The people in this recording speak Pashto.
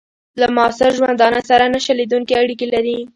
له معاصر ژوندانه سره نه شلېدونکي اړیکي لري.